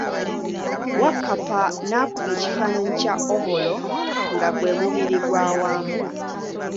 Wakkapa n'akuba ekifaananyi kya ovolo nga gwe mubiri gwa Wambwa.